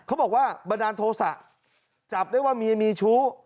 เขาบอกว่าบรรดาโทสะจับได้ว่ามีชู้